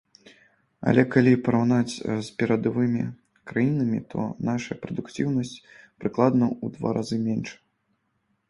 Але калі параўнаць з перадавымі краінамі, то нашая прадуктыўнасць прыкладна ў два разы меншая.